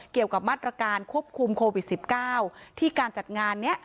เกี่ยวกับมาตรการควบคุมโควิด๑๙ที่การจัดงานนี้